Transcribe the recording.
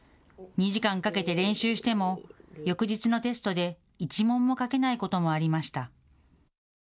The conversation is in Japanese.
２時間かけて練習しても翌日のテストで１問も書けないこともありました。